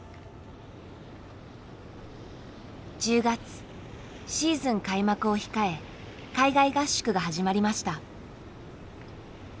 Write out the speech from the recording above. １０月シーズン開幕を控え海外合宿が始まりました。